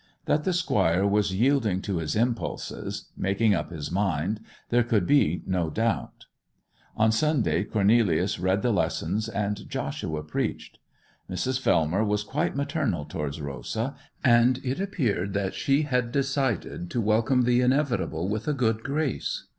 That the squire was yielding to his impulses—making up his mind—there could be no doubt. On Sunday Cornelius read the lessons, and Joshua preached. Mrs. Fellmer was quite maternal towards Rosa, and it appeared that she had decided to welcome the inevitable with a good grace.